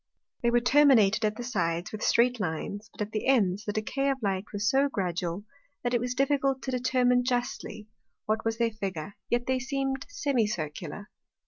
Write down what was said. They were terminated at the sides with streight Lines, but at the ends, the decay of Light was so gradual, that it was difficult to determine justly, what was their Figure; yet they seem'd Semicircular.